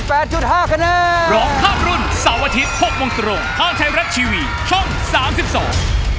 แบบนั้นก็คือแบบนั้น